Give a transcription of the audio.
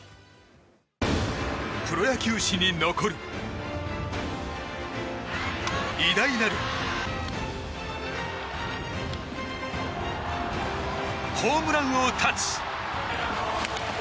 プロ野球史に残る偉大なるホームラン王たち。